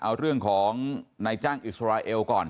เอาเรื่องของนายจ้างอิสราเอลก่อน